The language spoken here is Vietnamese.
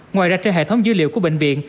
ngoài ra trên hệ thống dữ liệu của bệnh viện